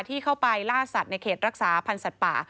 ที่เข้าไปล่าสัตว์ในเขตรักษาพันธ์สัตว์ป่า